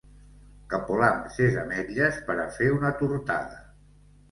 Capolam ses ametlles per a fer una tortada